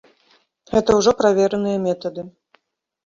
Гэта ўжо правераныя метады.